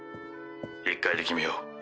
１回で決めよう。